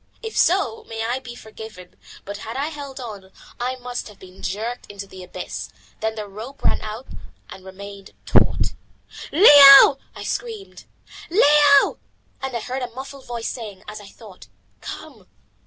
If so, may I be forgiven, but had I held on, I must have been jerked into the abyss. Then the rope ran out and remained taut. "Leo!" I screamed, "Leo!" and I heard a muffled voice saying, as I thought, "Come."